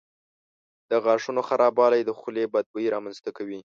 د غاښونو خرابوالی د خولې بد بوی رامنځته کوي.